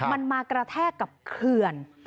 มันมากระแทกกับเขื่อน